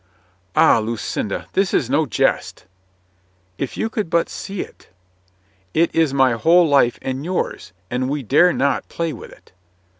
"Ah, Lucinda, this is no jest !" "If you could but see it !" "It is my whole life and yours, and we dare not play with it."